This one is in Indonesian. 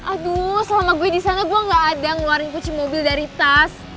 aduh selama gue disana gue gak ada ngeluarin kunci mobil dari tas